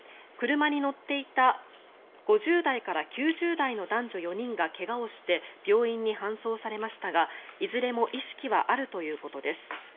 車に乗っていた５０代から９０代の男女４人が怪我をして病院に搬送されましたがいずれも意識はあるということです。